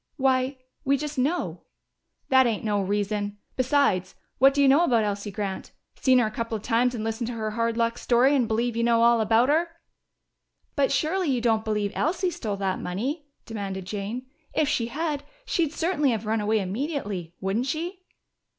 "Why we just know." "That ain't no reason! Besides, what do you know about Elsie Grant? Seen her a couple of times and listened to her hard luck story and believe you know all about her!" "But surely you don't believe Elsie stole that money?" demanded Jane. "If she had, she'd certainly have run away immediately. Wouldn't she?"